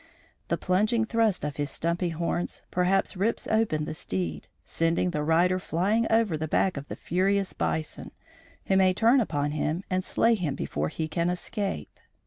The plunging thrust of his stumpy horns perhaps rips open the steed, sending the rider flying over the back of the furious bison, who may turn upon him and slay him before he can escape.